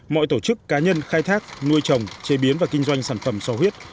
mọi tổ chức cá nhân khai thác nuôi trồng chế biến và kinh doanh sản phẩm so huyết